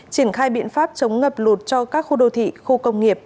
triển khai biện pháp chống ngập lụt cho các khu đô thị khu công nghiệp